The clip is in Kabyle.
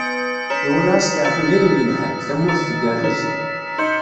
Iwala asteɛfu d ayen yelhan, tamurt tgerrez.